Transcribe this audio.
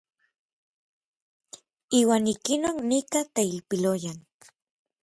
Iuan ik inon nikaj teilpiloyan.